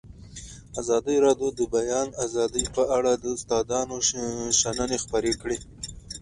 ازادي راډیو د د بیان آزادي په اړه د استادانو شننې خپرې کړي.